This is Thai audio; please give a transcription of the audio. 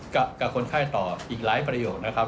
กับคนไข้ต่ออีกหลายประโยคนะครับ